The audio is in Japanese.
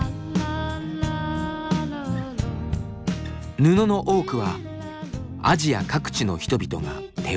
布の多くはアジア各地の人々が手織りしたもの。